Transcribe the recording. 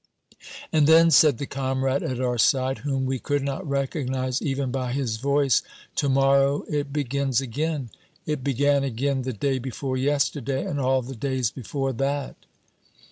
"And then," said the comrade at our side, whom we could not recognize even by his voice, "to morrow it begins again. It began again the day before yesterday, and all the days before that!"